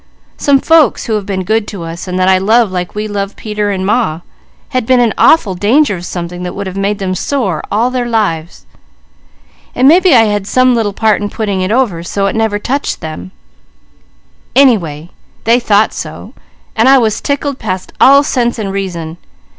Some folks who have been good to us, and that I love like we love Peter and Ma, had been in awful danger of something that would make them sore all their lives, and maybe I had some little part in putting it over, so it never touched them; anyway, they thought so, and I was tickled past all sense and reason about it.